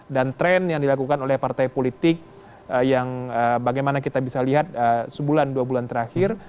dan tren yang dilakukan oleh partai politik yang bagaimana kita bisa lihat sebulan dua bulan terakhir